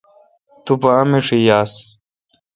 تو پا امنشی یاس۔